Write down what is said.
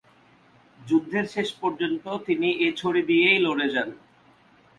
যুদ্ধের শেষ পর্যন্ত তিনি এ ছড়ি দিয়েই লড়ে যান।